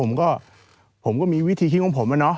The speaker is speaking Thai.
ผมก็ผมก็มีวิธีคิดของผมอะเนาะ